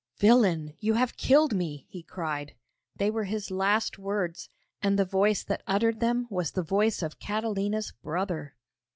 'Villain! You have killed me!' he cried. They were his last words, and the voice that uttered them was the voice of Catalina's brother!